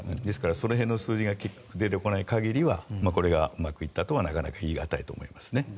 その辺の数字が出てこない限りはこれがうまくいったとはなかなか言いがたいと思います。